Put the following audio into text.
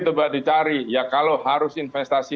coba dicari ya kalau harus investasi